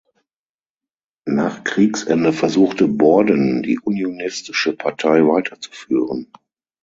Nach Kriegsende versuchte Borden, die Unionistische Partei weiterzuführen.